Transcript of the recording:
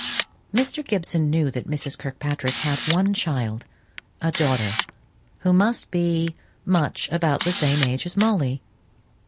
Mr. Gibson knew that Mrs. Kirkpatrick had one child, a daughter, who must be much about the same age as Molly.